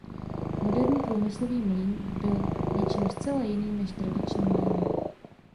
Moderní průmyslový mlýn byl něčím zcela jiným než tradiční mlýny.